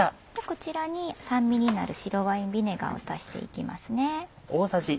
こちらに酸味になる白ワインビネガーを足していきますね。